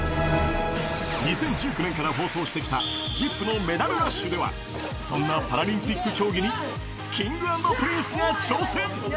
２０１９年から放送してきたＺＩＰ！のメダルラッシュでは、そんなパラリンピック競技にＫｉｎｇ＆Ｐｒｉｎｃｅが挑戦。